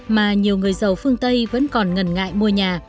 mà nhiều người giàu phương tây vẫn còn ngần ngại mua nhà